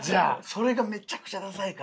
それがめちゃくちゃダサいから。